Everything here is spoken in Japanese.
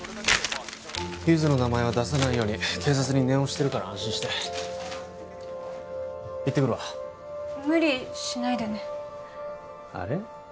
ゆづの名前は出さないように警察に念押ししてるから安心して行ってくるわ無理しないでねあれ？